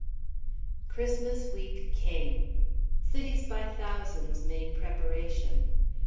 IX Christmas Week came. Cities by thousands made preparation.